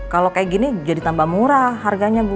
kalau kayak gini jadi tambah murah harganya bu